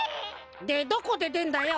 でどこででんだよ？